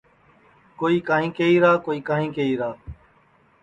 کوئی کائیں کہیرا کوئی کائیں کہیرا